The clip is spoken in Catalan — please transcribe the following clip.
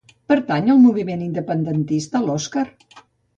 Pertany al moviment independentista l'Oscar?